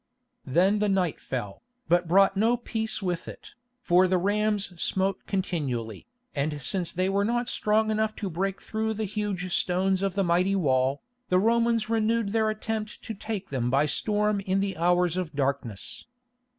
Then the night fell, but brought no peace with it, for the rams smote continually, and since they were not strong enough to break through the huge stones of the mighty wall, the Romans renewed their attempt to take them by storm in the hours of darkness.